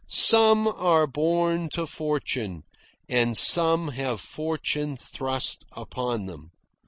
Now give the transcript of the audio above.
Some are born to fortune, and some have fortune thrust upon them.